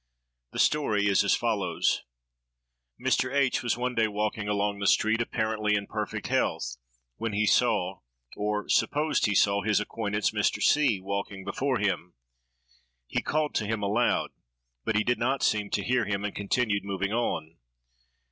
The story is as follows: Mr. H—— was one day walking along the street, apparently in perfect health, when he saw, or supposed he saw, his acquaintance, Mr. C——, walking before him. He called to him aloud; but he did not seem to hear him, and continued moving on.